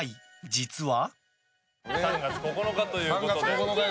実は。